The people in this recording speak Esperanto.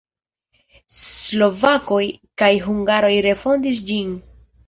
Slovakoj kaj hungaroj refondis ĝin.